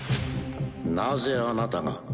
なぜあなたが？